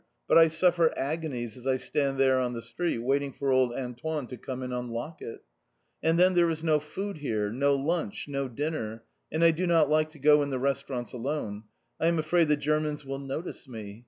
"But I suffer agonies as I stand there on the street waiting for old Antoine to come and unlock it." "And then there is no food here, no lunch, no dinner, and I do not like to go in the restaurants alone; I am afraid the Germans will notice me.